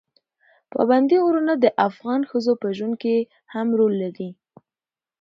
پابندي غرونه د افغان ښځو په ژوند کې هم رول لري.